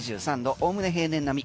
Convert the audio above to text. おおむね平年並み。